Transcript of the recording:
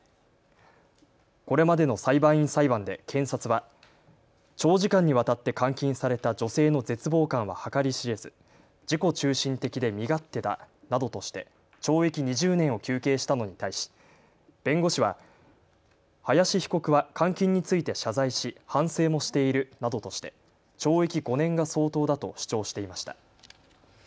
これまでの裁判員裁判で検察は長時間にわたって監禁された女性の絶望感は計り知れず自己中心的で身勝手だなどとして懲役２０年を求刑したのに対し、弁護士は、林被告は監禁について謝罪し、反省もしているなどとして懲役５年が相当だと主張していました。